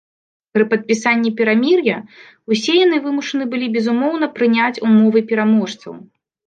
Пры падпісанні перамір'я ўсе яны вымушаны былі безумоўна прыняць умовы пераможцаў.